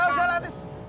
ah udah lah